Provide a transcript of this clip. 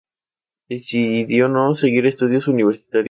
Decidió no seguir estudios universitarios y emplearse como perito mercantil.